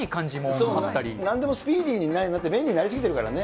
なんでもスピーディーになって便利になり過ぎてるからね。